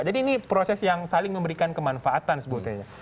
jadi ini proses yang saling memberikan kemanfaatan sebutnya